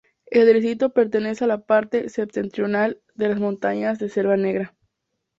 El distrito pertenece a la parte septentrional de las montañas de la Selva Negra.